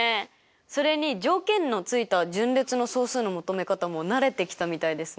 それに条件のついた順列の総数の求め方も慣れてきたみたいですね。